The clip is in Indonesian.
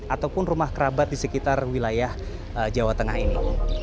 ataupun rumah kerabat di sekitar wilayah jawa tengah ini